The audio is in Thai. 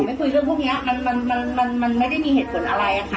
ขอไม่คุยเรื่องพวกเนี้ยมันมันมันมันมันไม่ได้มีเหตุผลอะไรอ่ะค่ะ